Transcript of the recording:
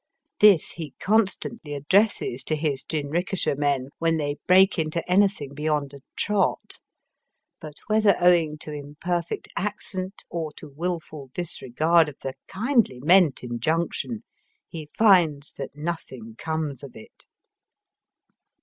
This he constantly addresses to his jinrikisha men when they break into any thing beyond a trot. But whether owing to imperfect accent or to wilful disregard of the kindly meant injunction, he finds that nothing comes of it.